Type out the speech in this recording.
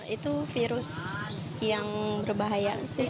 itu virus yang berbahaya